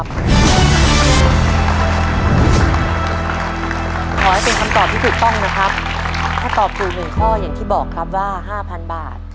ขอให้เป็นคำตอบที่ถูกต้องนะครับถ้าตอบถูกหนึ่งข้ออย่างที่บอกครับว่าห้าพันบาท